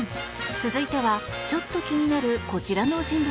続いてはちょっと気になるこちらの人物。